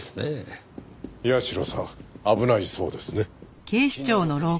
社さん危ないそうですね。